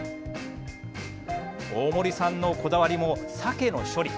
大森さんのこだわりもさけの処理。